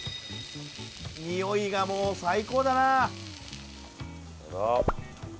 においがもう最高だな！